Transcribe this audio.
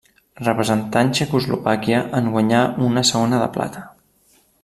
Representant Txecoslovàquia en guanyà una segona de plata.